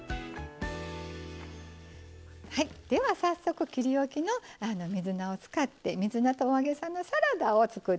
はいでは早速切りおきの水菜を使って水菜とお揚げさんのサラダを作っていきましょう。